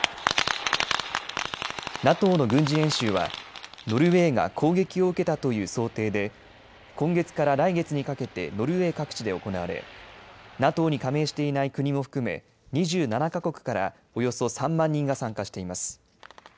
ＮＡＴＯの軍事演習はノルウェーが攻撃を受けたという想定で今月から来月にかけてノルウェー各地で行われＮＡＴＯに加盟していない国も含め２７か国からおよそ３万人が参加しています。